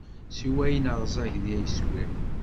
Siwa ayen ṛẓagen ay swiɣ.